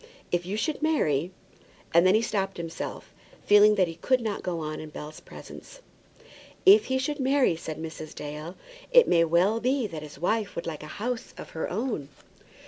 If you should marry " And then he stopped himself, feeling that he could not go on in Bell's presence. "If he should marry," said Mrs. Dale, "it may well be that his wife would like a house of her own."